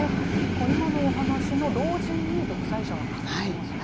今のお話の老人に独裁者が重なりますよね。